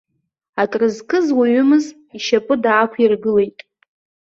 Акрызкыз уаҩымыз, ишьапы даақәиргылеит.